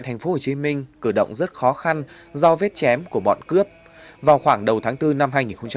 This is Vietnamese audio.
thành phố hồ chí minh cử động rất khó khăn do vết chém của bọn cướp vào khoảng đầu tháng bốn năm